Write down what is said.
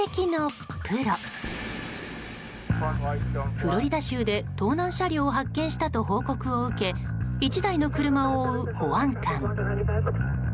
フロリダ州で盗難車両を発見したと報告を受け１台の車を追う保安官。